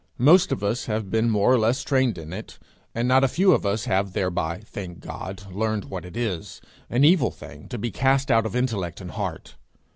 Most of us have been more or less trained in it, and not a few of us have thereby, thank God, learned what it is an evil thing, to be cast out of intellect and heart.